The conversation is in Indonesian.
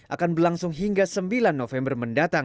akan berlangsung hingga sembilan november mendatang